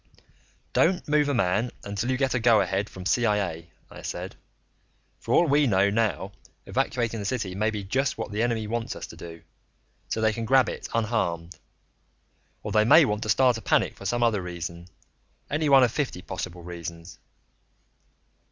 "Don't move a man until you get a go ahead from CIA," I said. "For all we know now, evacuating the city may be just what the enemy wants us to do so they can grab it unharmed. Or they may want to start a panic for some other reason, any one of fifty possible reasons."